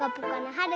はる？